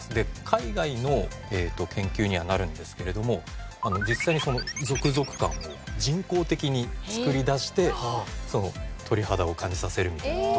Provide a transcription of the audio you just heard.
海外の研究にはなるんですけれども実際にゾクゾク感を人工的に作り出して鳥肌を感じさせるみたいな事も。